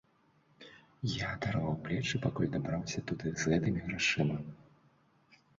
Я адарваў плечы, пакуль дабраўся туды з гэтымі грашыма.